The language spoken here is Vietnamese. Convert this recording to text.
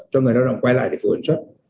cho người lao động quay lại để phục hồi nhận xuất